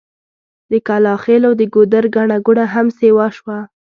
د کلاخېلو د ګودر ګڼه ګوڼه هم سيوا شوه.